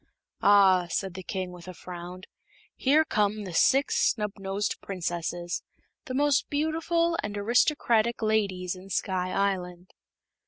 "Ah," said the King, with a frown, "here come the Six Snubnosed Princesses the most beautiful and aristocratic ladies in Sky Island."